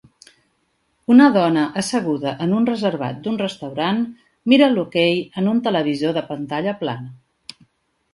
Una dona asseguda en un reservat d'un restaurant mira l'hoquei en un televisor de pantalla plana